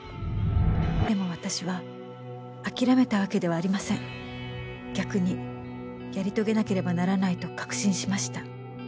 「でも私は諦めたわけではありません」「逆にやりとげなければならないと確信しました」